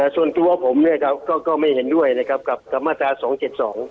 ส่วนตัวผมก็ไม่เห็นด้วยกับธรรมศาสตร์๒๗๒